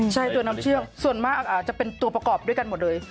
ใช่ตัวน้ำเชือกส่วนมากอาจจะเป็นตัวประกอบด้วยกันหมดเลย